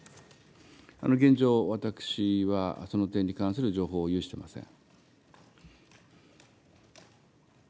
現状、私はその点に関する情報を有してません。